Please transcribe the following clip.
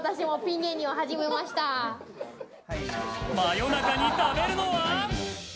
夜中に食べるのは？